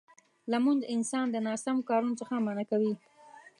لمونځ انسان د ناسم کارونو څخه منع کوي.